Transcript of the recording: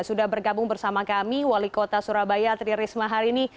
sudah bergabung bersama kami wali kota surabaya tri risma hari ini